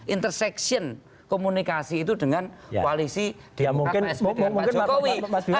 interseksi komunikasi itu dengan koalisi dengan pak jokowi